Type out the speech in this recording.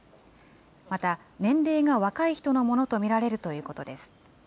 また、年齢が若い人のものと見られるということです。